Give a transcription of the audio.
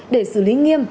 để xử lý nghiêm